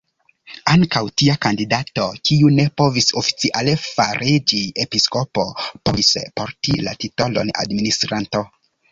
Ankaŭ tia kandidato, kiu ne povis oficiale fariĝi episkopo, povis porti la titolon "administranto".